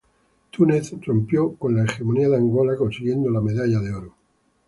Túnez rompió con la hegemonía de Angola, consiguiendo la medalla de oro.